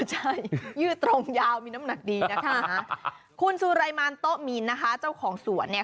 ใช่ยื่อตรงยาวมีน้ำหนักดีนะคะคุณโตมีนนะคะเจ้าของสลั่นเนี้ย